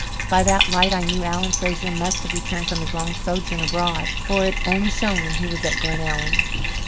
By that light I knew Alan Fraser must have returned from his long sojourn abroad, for it only shone when he was at Glenellyn.